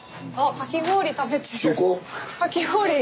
かき氷。